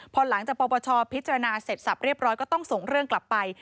พอหลังจากปปชพิจารณาเสร็จสับเรียบร้อยก็ต้องส่งเรื่องกลับไป